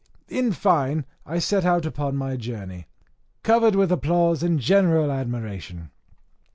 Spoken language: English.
In fine, I set out upon my journey, covered with applause and general admiration.